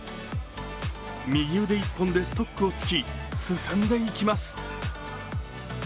右腕１本でストックを突き、進んでいきます。